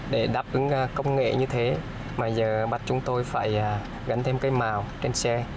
để đáp ứng công nghệ như thế mà giờ bắt chúng tôi phải gắn thêm cây màu trên xe